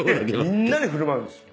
みんなに振る舞うんですよ。